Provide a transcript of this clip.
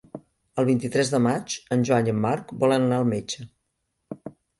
El vint-i-tres de maig en Joan i en Marc volen anar al metge.